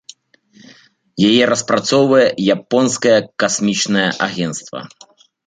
Яе распрацоўвае японскае касмічнае агенцтва.